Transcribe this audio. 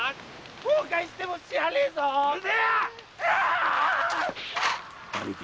後悔しても知らねぇぞ兄貴。